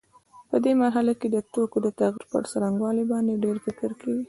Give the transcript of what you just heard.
په دې مرحله کې د توکو د تغییر پر څرنګوالي باندې ډېر فکر کېږي.